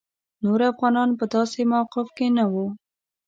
نور افغانان په داسې موقف کې نه وو.